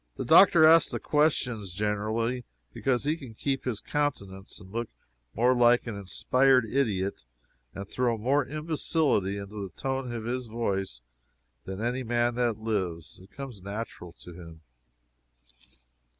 The doctor asks the questions, generally, because he can keep his countenance, and look more like an inspired idiot, and throw more imbecility into the tone of his voice than any man that lives. It comes natural to him.